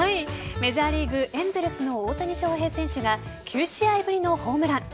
メジャーリーグエンゼルスの大谷翔平選手が９試合ぶりのホームラン。